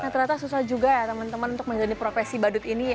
ternyata susah juga ya teman teman untuk menjalani profesi badut ini